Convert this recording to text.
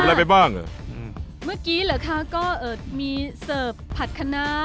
แล้วมีอะไรอีก